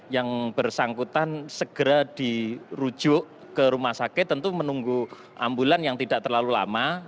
yang bersangkutan segera dirujuk ke rumah sakit tentu menunggu ambulan yang tidak terlalu lama